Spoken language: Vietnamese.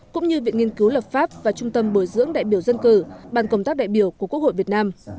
cũng như viện nghiên cứu lập pháp và trung tâm bồi dưỡng đại biểu dân cử bàn công tác đại biểu của quốc hội việt nam